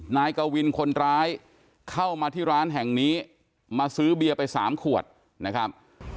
นายกวินคนร้ายเข้ามาที่ร้านแห่งนี้มาซื้อเบียร์ไปสามขวดนะครับ